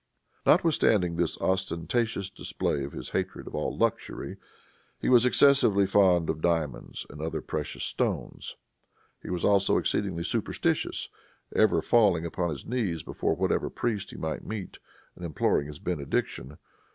] Notwithstanding this ostentatious display of his hatred of all luxury, he was excessively fond of diamonds and other precious stones. He was also exceedingly superstitious, ever falling upon his knees before whatever priest he might meet, and imploring his benediction.